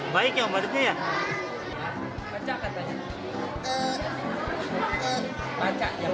baik ya ngabuburitnya ya